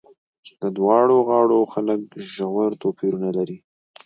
د دواړو غاړو خلک ژور توپیرونه لري.